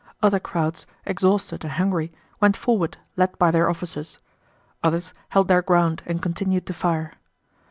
Other crowds, exhausted and hungry, went forward led by their officers. Others held their ground and continued to fire.